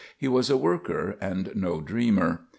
He was a worker, and no dreamer.